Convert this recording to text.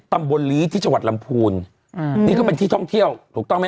ตำบลลีที่จังหวัดลำพูนอืมนี่ก็เป็นที่ท่องเที่ยวถูกต้องไหม